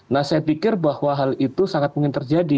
nah saya pikir bahwa hal itu sangat mungkin terjadi